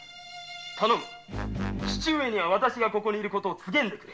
頼む父上には私がここにいる事告げんでくれ。